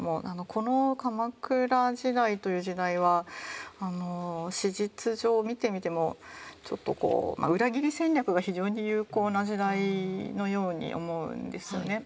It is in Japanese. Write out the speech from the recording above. この鎌倉時代という時代は史実上見てみてもちょっとこう裏切り戦略が非常に有効な時代のように思うんですね。